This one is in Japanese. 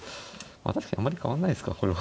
まあ確かにあんまり変わんないですかこれは。